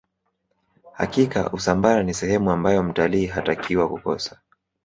hakika usambara ni sehemu ambayo mtalii hatakiwa kukosa